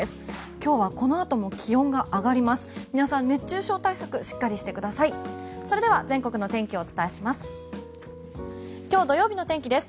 今日はこのあとも気温が上がります。